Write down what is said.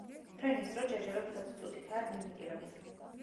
ფრენის დრო ჯერჯერობით ოცი წუთითაა ლიმიტირებული.